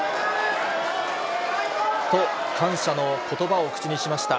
と、感謝のことばを口にしました。